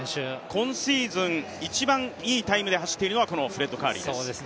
今シーズン一番いい記録で走っているのがこのフレッド・カーリーです。